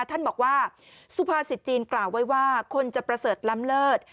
ท่านบอกว่าสุภาษิตจีนกล่าวไว้ว่าคนจะประเสริฐล้ำเลิศ